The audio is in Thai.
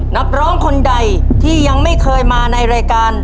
นักร้องคนใดที่ยังไม่เคยมาในรายการ